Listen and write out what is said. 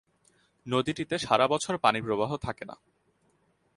নদীটিতে সারাবছর পানিপ্রবাহ থাকে না।